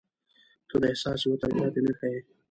• ته د احساس یوه تلپاتې نښه یې.